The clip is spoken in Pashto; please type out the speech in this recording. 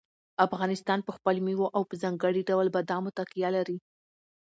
افغانستان په خپلو مېوو او په ځانګړي ډول بادامو تکیه لري.